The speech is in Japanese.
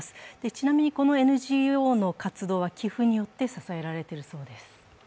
ちなみにこのＮＧＯの活動は寄付によって支えられているようです。